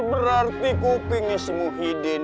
berarti kupingnya si muhyiddin